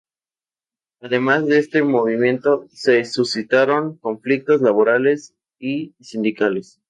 Además de este movimiento, se suscitaron conflictos laborales y sindicales.